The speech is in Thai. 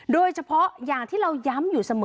โดยเฉพาะอย่างที่เราย้ำอยู่เสมอ